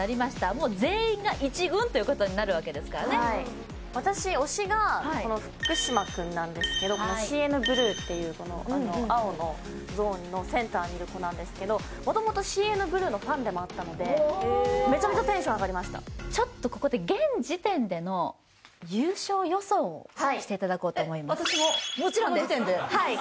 もう全員が１軍ということになるわけですからね私推しが福嶌君なんですけどＣＮＢＬＵＥっていう青のゾーンのセンターにいる子なんですけどもともとＣＮＢＬＵＥのファンでもあったのでめちゃめちゃテンション上がりましたしていただこうと思います私も？